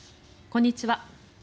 こんにちは。